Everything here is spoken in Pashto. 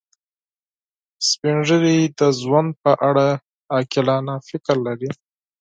سپین ږیری د ژوند په اړه عاقلانه فکر لري